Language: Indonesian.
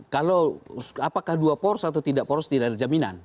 kalau apakah dua poros atau tidak poros tidak ada jaminan